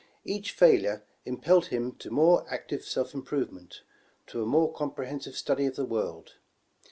Each failure impelled him to more active self improvement, to a more compre hensive study of the world.